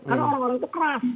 karena orang orang itu keras